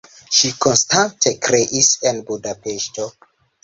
Ŝi konstante kreis en Budapeŝto.